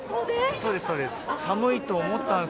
そうです、そうです。